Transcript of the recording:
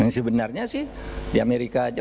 yang sebenarnya sih di amerika aja